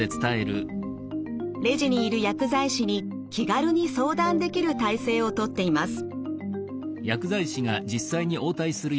レジにいる薬剤師に気軽に相談できる体制をとっています。